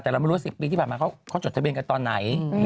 แต่เราไม่รู้ว่า๑๐ปีที่ผ่านมาเขาจดทะเบียนกันตอนไหน